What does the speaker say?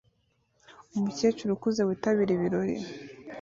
Umukecuru ukuze witabira ibirori